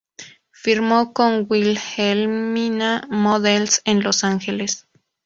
Firmó con Wilhelmina Models en Los Ángeles.